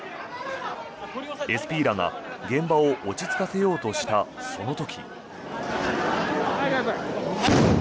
ＳＰらが現場を落ち着かせようとしたその時。